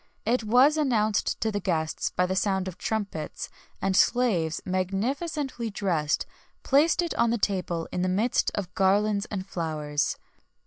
It was announced to the guests by the sound of trumpets; and slaves, magnificently dressed, placed it on the table in the midst of garlands and flowers.